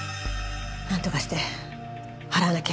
なんとかして払わなきゃ。